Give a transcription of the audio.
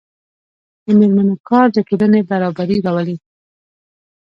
د میرمنو کار د ټولنې برابري راولي.